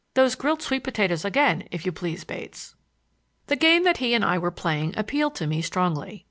Those grilled sweet potatoes again, if you please, Bates." The game that he and I were playing appealed to me strongly.